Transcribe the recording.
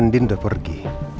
andi nda pergi